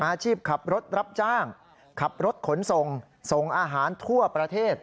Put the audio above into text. อาชีพขับรถรับจ้างขับรถขนส่งส่งอาหารทั่วประเทศ